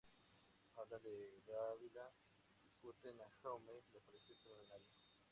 Hablan de David Vila, discuten, a Jaume le parece extraordinario.